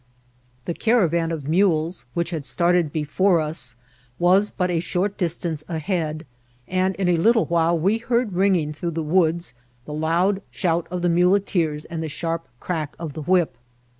The caravan of mules, which had started before us, was but a short distance ahead, and in a little while we heard ringing through the woods the loud shout of the muleteers and the sharp crack of the whip.